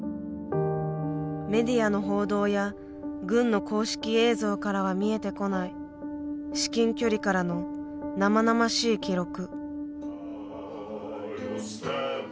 メディアの報道や軍の公式映像からは見えてこない至近距離からの生々しい記録。